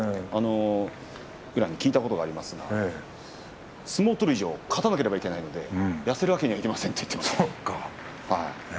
宇良に聞いたことがありますが相撲を取る以上勝たなければいけないので、痩せるわけにはいきませんと言っていました。